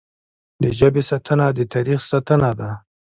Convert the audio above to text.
د ژبې ساتنه د تاریخ ساتنه ده.